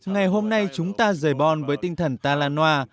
ngày hôm nay chúng ta rời bon với tinh thần talanoa